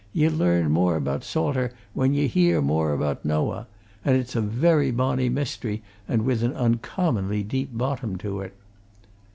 "Ye'll learn more about Salter when ye hear more about Noah. And it's a very bonny mystery and with an uncommonly deep bottom to it!"